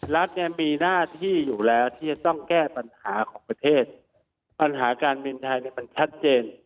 รัฐเนี่ยมีหน้าที่อยู่แล้วที่จะต้องแก้ปัญหาของประเทศปัญหาการบินไทยเนี่ยมันชัดเจน